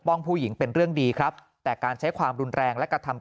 ผู้หญิงเป็นเรื่องดีครับแต่การใช้ความรุนแรงและกระทำ